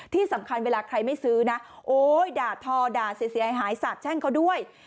ที่สำคัญเวลาใครไม่ซื้อนะโอ๊ยด่าทอด่าเสียหายสาบแช่งเขาด้วย